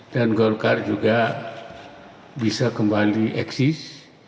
dan gorkar juga bisa kembali eksis